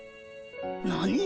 何？